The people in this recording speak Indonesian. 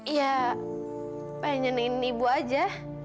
ya pengen ini ibu aja